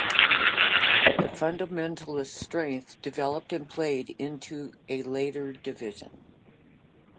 The fundamentalist strength developed and played into a later division.